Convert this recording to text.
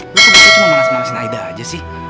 lu kebuka cuma panas panasin aida aja sih